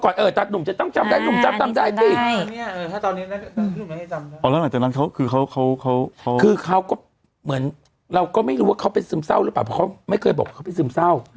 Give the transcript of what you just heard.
เราก็ไม่รู้ว่าเขาไปซึมเศร้าหรือเปล่าเขาถึงไม่เคยบอกเด็กต้องไปซึมเศร้า